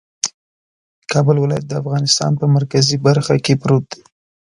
کابل ولایت د افغانستان په مرکزي برخه کې پروت دی